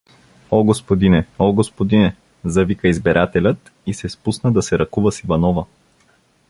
О, господине, о, господине!— завика избирателят и се спусна да се ръкува с Иванова.